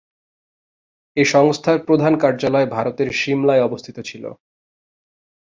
এ সংস্থার প্রধান কার্যালয় ভারতের সিমলায় অবস্থিত ছিল।